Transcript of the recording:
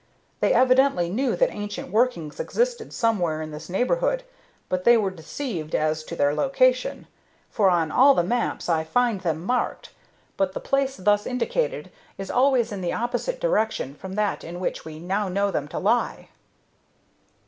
They evidently knew that ancient workings existed somewhere in this neighborhood, but they were deceived as to their location, for on all the maps I find them marked, but the place thus indicated is always in the opposite direction from that in which we now know them to lie."